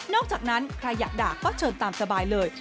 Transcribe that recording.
อกจากนั้นใครอยากด่าก็เชิญตามสบายเลย